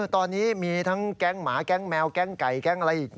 ตอนนี้มีทั้งแก๊งหมาแก๊งแมวแก๊งไก่แก๊งอะไรอีก